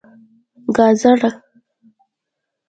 🥕 ګازره